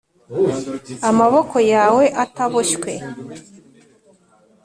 Amaboko yawe ataboshywe